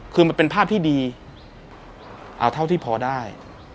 คือมันเป็นภาพที่ดีเอาเท่าที่พอได้